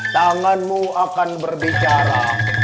tanganmu akan berbicara